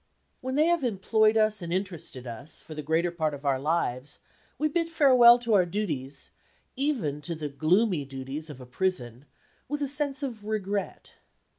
When they have employed us and interested us, for the greater part of our lives, we bid farewell to our duties even to the gloomy duties of a prison with a sense of regret.